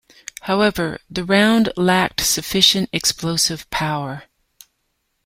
However, the round lacked sufficient explosive power.